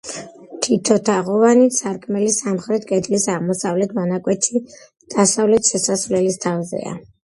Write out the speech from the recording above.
თითო თაღოვანი სარკმელი სამხრეთ კედლის აღმოსავლეთ მონაკვეთში და დასავლეთ შესასვლელის თავზეა.